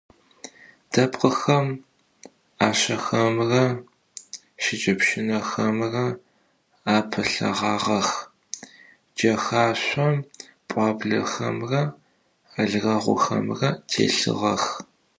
Depkhıxem 'aşşexemre şşıç'epşınexemre apılheğağex, cexaşsom p'uablexemre alreğuxemre têlhığex.